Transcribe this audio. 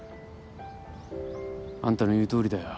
あんたの言うとおりだよ。